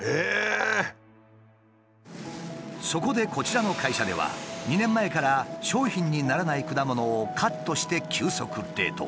そこでこちらの会社では２年前から商品にならない果物をカットして急速冷凍。